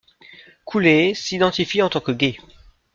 Couleé s'identifie en tant que gay.